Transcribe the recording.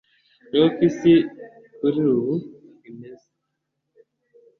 nkuko isi kuri ubu imeze